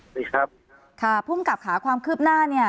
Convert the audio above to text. สวัสดีครับค่ะผู้องกรรมขาความคืบหน้าเนี่ย